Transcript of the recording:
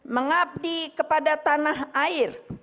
mengabdi kepada tanah air